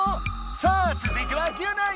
さあ続いてはギュナイ！